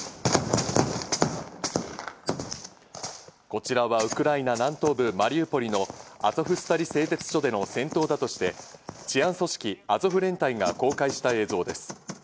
こちらはウクライナ南東部マリウポリのアゾフスタリ製鉄所での戦闘だとして、治安組織・アゾフ連隊が公開した映像です。